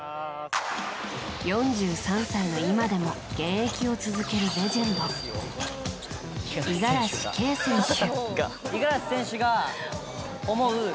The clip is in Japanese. ４３歳の今でも現役を続けるレジェンド五十嵐圭選手。